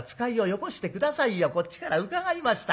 こっちから伺いました。